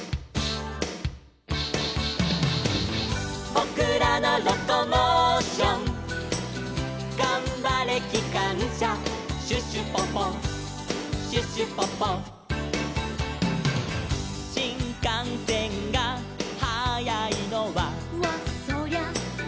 「ぼくらのロコモーション」「がんばれきかんしゃ」「シュシュポポシュシュポポ」「しんかんせんがはやいのは」